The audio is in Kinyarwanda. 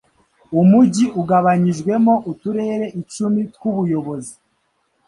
Umujyi ugabanijwemo uturere icumi twubuyobozi